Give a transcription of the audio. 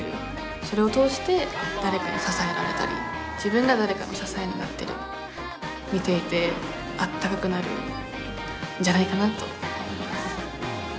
それを通して誰かに支えられたり自分が誰かの支えになったり見ていてあったかくなるんじゃないかなと思います。